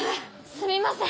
すみません